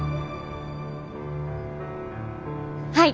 はい！